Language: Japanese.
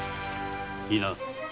いいな。